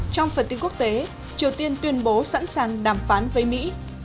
trong phần tin quốc tế triều tiên tuyên bố sẵn sàng đàm phán với mỹ